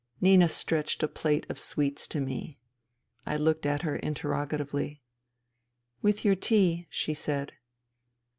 Nina stretched a plate of sweets to me. I looked at her interrogatively. " With your tea," she said.